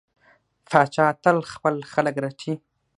پاچا تل خپل خلک رټي.